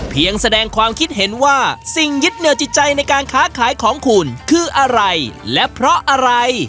แสดงความคิดเห็นว่าสิ่งยึดเหนียวจิตใจในการค้าขายของคุณคืออะไรและเพราะอะไร